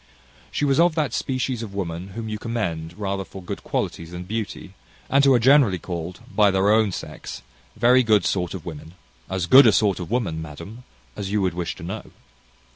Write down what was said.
She was of that species of women whom you commend rather for good qualities than beauty, and who are generally called, by their own sex, very good sort of women as good a sort of woman, madam, as you would wish to know.